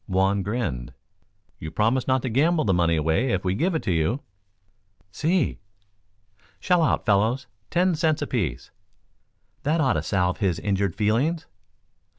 Juan grinned. "You promise not to gamble the money away if we give it to you?" "Si." "Shell out, fellows. Ten cents apiece. That ought to salve his injured feelings."